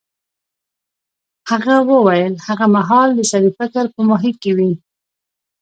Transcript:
هغه وویل هغه مهال د سړي فکر په ماهي کې وي.